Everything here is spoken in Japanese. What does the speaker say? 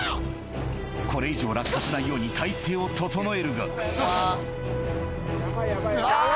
これ以上落下しないように体勢を整えるがうわぁ！